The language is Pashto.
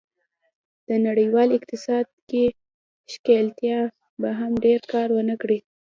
د نړیوال اقتصاد کې ښکېلتیا به هم ډېر کار و نه کړي.